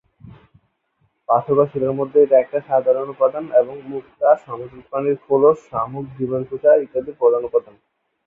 পাথর বা শিলার মধ্যে এটা একটা সাধারণ উপাদান এবং মুক্তা, সামুদ্রিক প্রাণীর খোলস, শামুক, ডিমের খোসা ইত্যাদির প্রধান উপাদান।